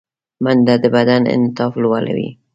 منډه د بدن انعطاف لوړوي